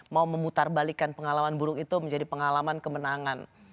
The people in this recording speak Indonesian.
mau memutarbalikan pengalaman buruk itu menjadi pengalaman kemenangan